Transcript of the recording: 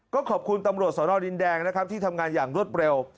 ก็ขอบคุณตำรวจสรรวดดินแดงที่ทำงานอย่างรถเร็ว